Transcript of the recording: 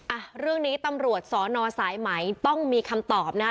อ่ะเรื่องนี้ตำรวจสอนอสายไหมต้องมีคำตอบนะ